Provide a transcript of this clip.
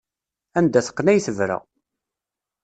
Anda teqqen ay tebra.